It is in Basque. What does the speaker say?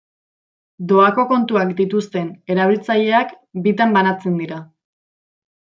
Doako kontuak dituzten erabiltzaileak bitan banatzen dira.